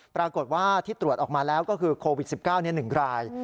ปรากฏว่าที่ตรวจออกมาแล้วก็คือโควิด๑๙๑ราย